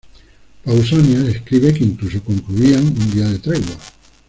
Pausanias escribe que incluso concluían un día de tregua.